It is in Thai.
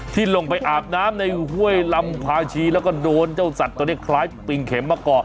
ที่ลงไปอาบน้ำในห้วยลำพาชีแล้วก็โดนเจ้าสัตว์ตัวนี้คล้ายปิงเข็มมาเกาะ